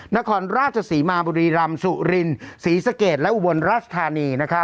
นครราชสรีมาภ์รัมนสรุริญศรีสกรรอัลวนราชธานี